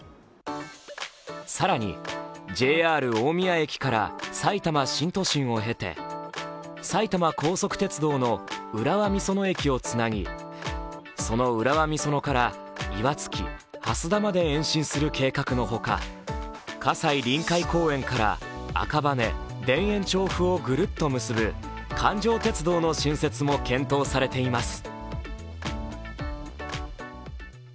更に、ＪＲ大宮駅からさいたま新都心を経て、埼玉高速鉄道の浦和美園駅をつなぎその浦和美園から岩槻、蓮田まで延伸する計画のほか葛西臨海公園から赤羽、田園調布をぐるっと結ぶ環状鉄道の新設も検討されています。